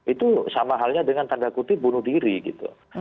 itu sama halnya dengan tanda kutip bunuh diri gitu